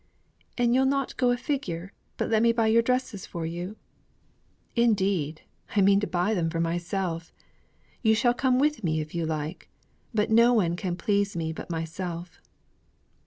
"And you'll not go a figure, but let me buy your dresses for you?" "Indeed I mean to buy them for myself. You shall come with me if you like; but no one can please me but myself."